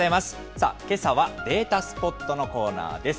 さあ、けさはデータスポットのコーナーです。